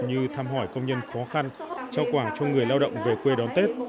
như tham hỏi công nhân khó khăn trao quảng cho người lao động về quê đón tết